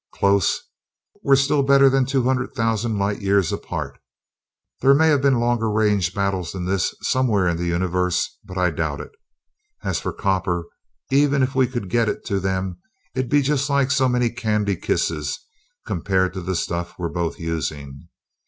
"Close! We're still better than two hundred thousand light years apart! There may have been longer range battles than this somewhere in the Universe, but I doubt it. And as for copper, even if we could get it to them, it'd be just like so many candy kisses compared to the stuff we're both using.